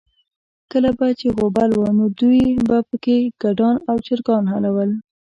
کله به چې غوبل و، نو دوی به پکې ګډان او چرګان حلالول.